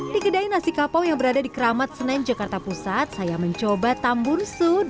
di kedai nasi kapau yang berada di keramat senen jakarta pusat saya mencoba tambun sudut